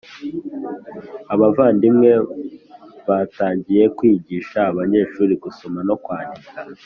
Abavandimwe batangiye kwigisha abanyeshuri gusoma no kwandika